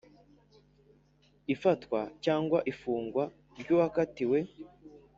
Ifatwa cyangwa ifungwa ry uwakatiwe